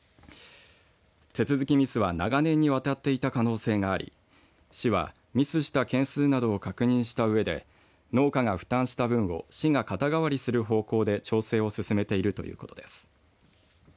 手続きミスは長年に渡っていた可能性があり市は、ミスした件数などを確認したうえで農家が負担した分を市が肩代わりする方向で調整を進めているということです。